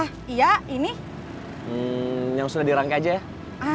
hmm yang sudah dirangka aja ya